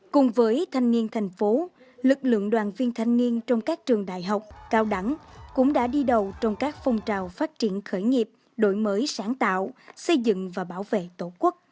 cùng với thanh niên thành phố lực lượng đoàn viên thanh niên trong các trường đại học cao đẳng cũng đã đi đầu trong các phong trào phát triển khởi nghiệp đổi mới sáng tạo xây dựng và bảo vệ tổ quốc